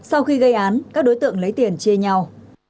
sau khi gây án các đối tượng lấy tiền chia nhau